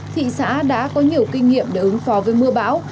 thị xã đã có nhiều kinh nghiệm để ứng phó với mưa bão